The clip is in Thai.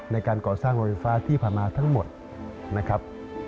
ในการก่อสร้างโรงไฟฟ้าที่ผ่านมาทั้งหมดนะครับ